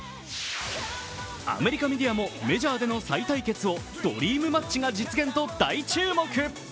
アメリカメディアもメジャーでの再対決を、ドリームマッチが実現と大注目。